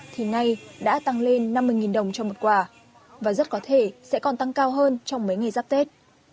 thì nay đã tăng lên năm mươi đồng cho một quả và rất có thể sẽ còn tăng cao hơn trong mấy ngày giáp tết